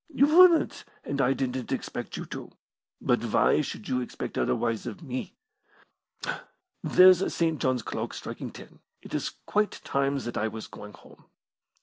You wouldn't, and I didn't expect you to. But why should you expect otherwise of me? There's St. John's clock striking ten. It is quite time that I was going home."